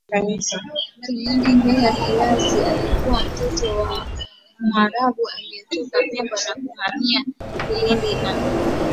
ya KilindiMbegha kiasili alikuwa mtoto wa Mwarabu aliyetoka Pemba na kuhamia Kilindi na